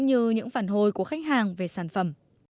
những phản hồi của khách hàng về sản phẩm